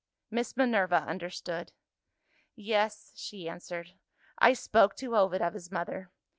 Miss Minerva understood. "Yes," she answered; "I spoke to Ovid of his mother.